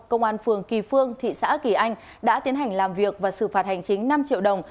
công an phường kỳ phương thị xã kỳ anh đã tiến hành làm việc và xử phạt hành chính năm triệu đồng